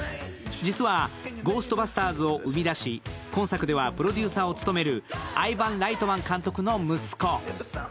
実は、「ゴーストバスターズ」を生み出し、今作ではプロデューサーを務めるアイヴァン・ライトマン監督の息子